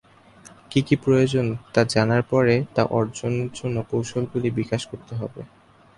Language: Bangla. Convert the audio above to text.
কি কি প্রয়োজন তা জানার পরে তা অর্জনের জন্য কৌশলগুলি বিকাশ করতে হবে।